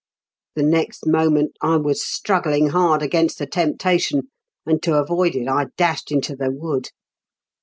The next moment I was struggling hard against the temptation; and to avoid it I dashed into the wood.